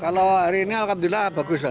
kalau hari ini alhamdulillah bagus lah